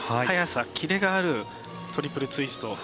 速さ、キレがあるトリプルツイスト。